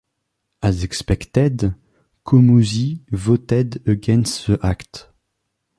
As expected, Comuzzi voted against the Act.